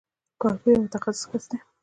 کارپوه یو متخصص کس دی.